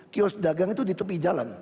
kios dagang itu di tepi jalan